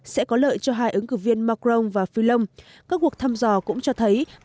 sẽ có lợi cho hai ứng cử viên macron và fillon các cuộc thăm dò cũng cho thấy